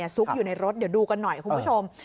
ซุกอยู่ในรถเดี๋ยวดูกันหน่อยคุณผู้ชม